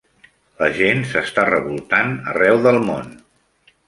La gent s'està revoltant arreu del món.